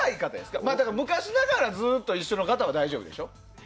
昔ながらずっと一緒の方は大丈夫でしょ？